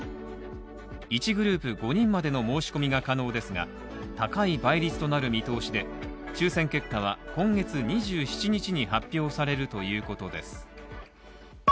１グループ５人までの申し込みが可能ですが、高い倍率となる見通しで、抽選結果は今月２７日に発表されるということです。